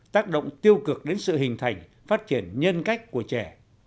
tác động tiêu cực đến sự hình thành phát triển nhân cách của trẻ